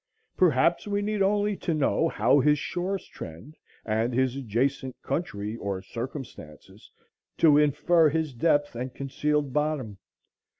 Perhaps we need only to know how his shores trend and his adjacent country or circumstances, to infer his depth and concealed bottom.